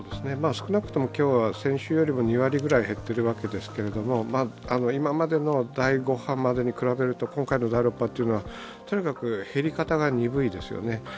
少なくとも今日は先週よりは２割ぐらい減っているわけですが今までの第５波までに比べると今回の第６波というのはとにかく減り方が鈍いですよね。